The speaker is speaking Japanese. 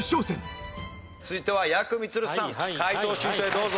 続いてはやくみつるさん解答シートへどうぞ。